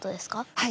はい！